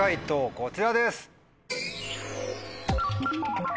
こちらです。